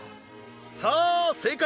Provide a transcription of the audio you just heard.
さあ正解